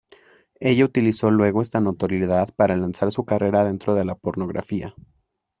Ella utilizó luego esta notoriedad para lanzar su carrera dentro de la pornografía.